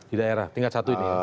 di daerah tingkat satu ini